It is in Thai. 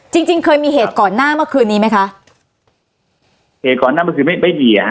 จริงจริงเคยมีเหตุก่อนหน้าเมื่อคืนนี้ไหมคะเหตุก่อนหน้าเมื่อคืนไม่ไม่ดีอ่ะฮ